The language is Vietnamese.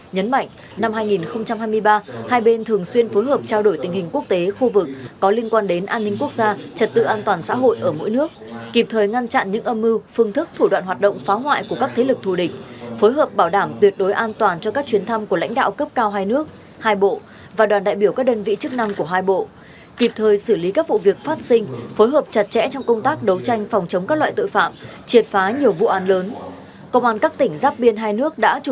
nhấn mạnh năm hai nghìn hai mươi ba hai bên thường xuyên phối hợp trao đổi tình hình quốc tế khu vực có liên quan đến an ninh quốc gia trật tự an toàn xã hội ở mỗi nước kịp thời ngăn chặn những âm mưu phương thức thủ đoạn hoạt động phá hoại của các thế lực thù địch phối hợp bảo đảm tuyệt đối an toàn cho các chuyến thăm của lãnh đạo cấp cao hai nước hai bộ và đoàn đại biểu các đơn vị chức năng của hai bộ kịp thời xử lý các vụ việc phát sinh phối hợp chặt chẽ trong công tác đấu tranh phòng chống các loại tội phạm triệt phá nhiều